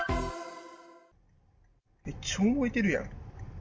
めっちゃ燃えてるやん。